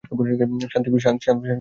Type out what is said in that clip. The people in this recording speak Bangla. শান্তি প্লিজ, চুপ থাকো।